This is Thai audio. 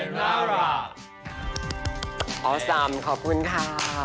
ออสซามขอบคุณค่ะ